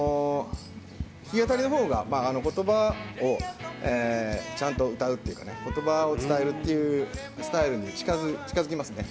弾き語りのほうが言葉をちゃんと歌うっていうか、言葉を伝えるっていうスタイルに近づきますね。